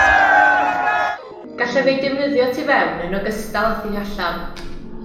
Gallaf ei defnyddio tu fewn yn ogystal â thu allan